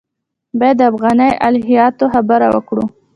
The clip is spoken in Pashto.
باید د افغاني الهیاتو خبره وکړو.